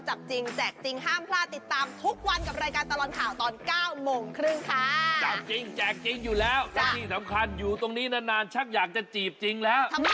จับจริงแจกจริงอยู่แล้วและที่สำคัญอยู่ตรงนี้นานชักอยากจะจีบจริงแล้ว